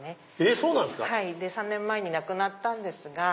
そうなんすか⁉３年前に亡くなったんですが。